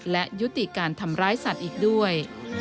และยุติการทำร้ายสัตว์อีกด้วย